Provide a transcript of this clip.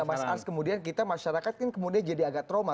tapi boleh nggak mas ars kemudian kita masyarakat kan kemudian jadi agak trauma